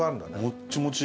もっちもち。